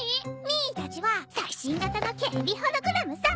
ミーたちは最新型の警備ホログラムさ！